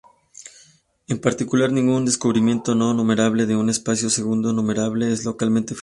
En particular, ningún recubrimiento no numerable de un espacio segundo-numerable es localmente finito.